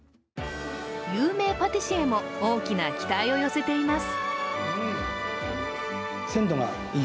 有名パティシエも大きな期待を寄せています。